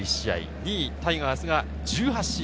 ２位タイガースが１８試合。